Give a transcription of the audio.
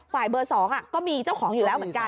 เบอร์๒ก็มีเจ้าของอยู่แล้วเหมือนกัน